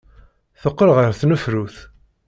Teqqel ɣer tnefrut.